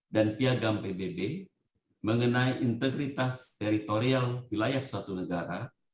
piagam pbb mengenai integritas teritorial wilayah suatu negara